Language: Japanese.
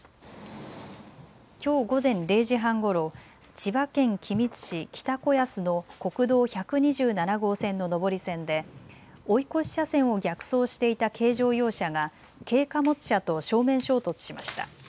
きょう午前０時半ごろ千葉県君津市北子安の国道１２７号線の上り線で追い越し車線を逆走していた軽乗用車が軽貨物車と正面衝突しました。